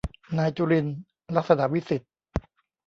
นายจุรินทร์ ลักษณวิศิษฏ์